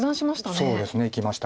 そうですねいきました。